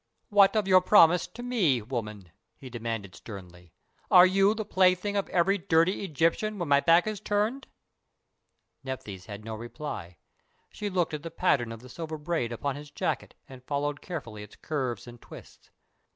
"What of your promise to me, woman?" he demanded, sternly. "Are you the plaything of every dirty Egyptian when my back is turned?" Nephthys had no reply. She looked at the pattern of the silver braid upon his jacket and followed carefully its curves and twists.